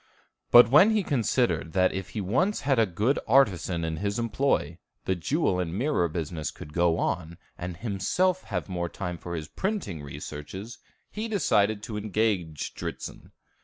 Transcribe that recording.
But when he considered that if he once had a good artisan in his employ, the jewel and mirror business could go on, and himself have more time for his printing researches, he decided to engage Dritzhn.